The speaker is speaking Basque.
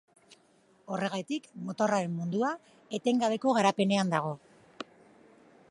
Horregatik, motorraren mundua etengabeko garapenean dago.